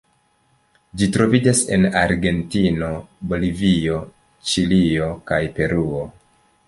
Ĝi troviĝas en Argentino, Bolivio, Ĉilio kaj Peruo.